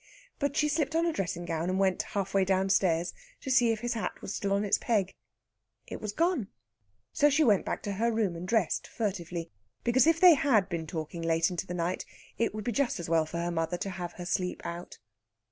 But she slipped on a dressing gown and went half way downstairs, to see if his hat was still on its peg. It was gone. So she went back to her room, and dressed furtively. Because if they had been talking late into the night, it would be just as well for her mother to have her sleep out.